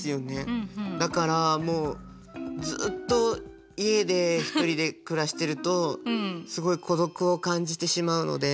だからもうずっと家で１人で暮らしてるとすごい孤独を感じてしまうので。